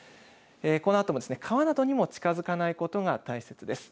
このあとも川などにも近づかないことが大切です。